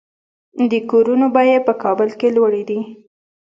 د کورونو بیې په کابل کې لوړې دي